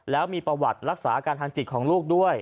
แล้วมีประวัติรักษาอาการทางจิตของลูกด้วย